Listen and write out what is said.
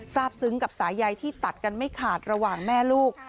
ทราบซึ้งกับสายใยที่ตัดกันไม่ขาดระหว่างแม่ลูก